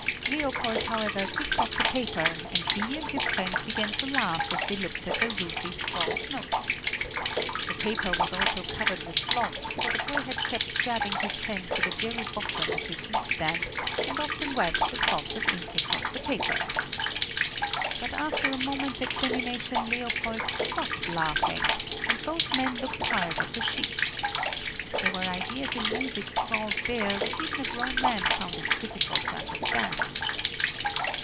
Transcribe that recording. Leopold however picked up the paper, and he and his friend began to laugh as they looked at the rudely scrawled notes. The paper was also covered with blots, for the boy had kept jabbing his pen to the very bottom of his inkstand, and often wiped the clots of ink across the paper. But after a moment's examination Leopold stopped laughing, and both men looked hard at the sheet. There were ideas in music scrawled there which even a grown man found it difficult to understand.